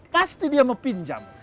pasti dia mau pinjam